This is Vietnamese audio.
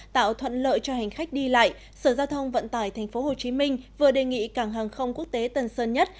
tạo thuận lợi cho hành khách đi lại sở giao thông vận tải tp hcm vừa đề nghị cảng hàng không quốc tế tân sơn nhất